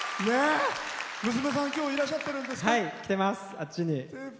娘さんは、きょういらっしゃってるんですか？